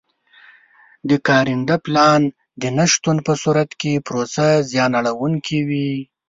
د کارنده پلان د نه شتون په صورت کې پروسه زیان اړوونکې وي.